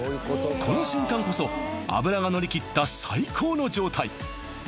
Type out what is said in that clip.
この瞬間こそ脂がのりきった最高の状態！